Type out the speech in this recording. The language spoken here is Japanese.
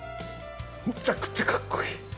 むちゃくちゃかっこいい。